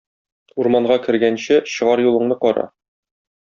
Урманга кергәнче чыгар юлыңны кара.